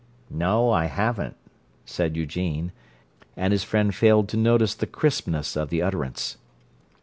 "No, I haven't," said Eugene, and his friend failed to notice the crispness of the utterance.